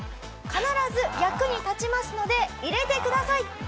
「必ず役に立ちますので入れてください！」。